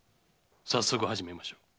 早速始めましょう。